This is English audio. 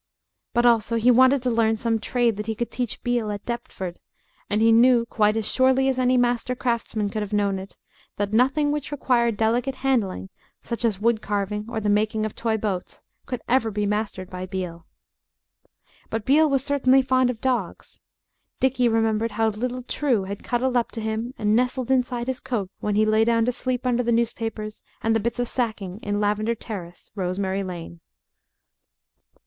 But also he wanted to learn some trade that he could teach Beale at Deptford, and he knew, quite as surely as any master craftsman could have known it, that nothing which required delicate handling, such as wood carving or the making of toy boats, could ever be mastered by Beale. But Beale was certainly fond of dogs. Dickie remembered how little True had cuddled up to him and nestled inside his coat when he lay down to sleep under the newspapers and the bits of sacking in Lavender Terrace, Rosemary Lane.